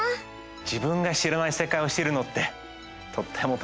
自分が知らない世界を知るのってとっても楽しいよね！